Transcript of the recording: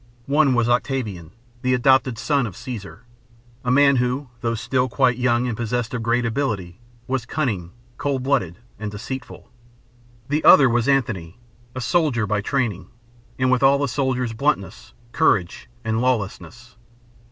One was Octavian, the adopted son of Caesar, a man who, though still quite young and possessed of great ability, was cunning, cold blooded, and deceitful. The other was Antony, a soldier by training, and with all a soldier's bluntness, courage, and lawlessness.